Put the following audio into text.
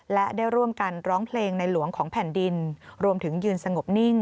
และได้ร่วมกันร้องเพลงในหลวงของแผ่นดินรวมถึงยืนสงบนิ่ง